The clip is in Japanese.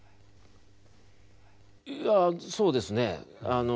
いやそうですね。